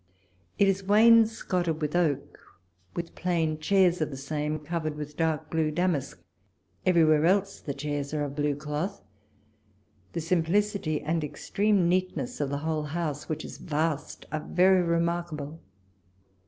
It is wainscotted with oak, with plain chairs of the same, covered with dark blue damask. Everywhere else the chairs are of blue cloth. The simplicity and extreme neatness of the whole house, which is vast, are very remarkable.